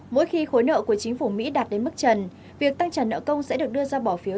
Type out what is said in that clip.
mỗi khi khối nợ của chính phủ mỹ đạt đến mức trần việc tăng trả nợ công sẽ được đưa ra bỏ phiếu